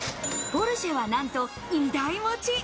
ポルシェはなんと２台持ち。